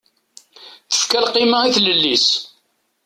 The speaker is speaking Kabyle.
Tefka lqima i tlelli-is.